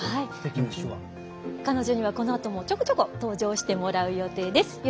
彼女には、このあともちょこちょこ登場してもらう予定です。